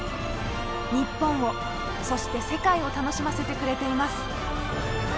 日本を、そして世界を楽しませてくれています。